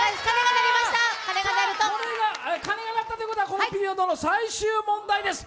鐘が鳴ったということはこのピリオドの最終問題です。